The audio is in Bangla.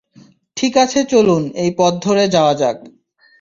ঠিক আছে চলুন এই পথ ধরে যাওয়া যাক।